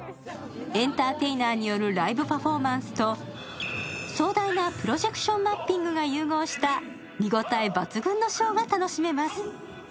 エンターテイナーによるライブパフォーマンスと壮大なプロジェクションマッピングが融合した見応え抜群のショーが楽しめます。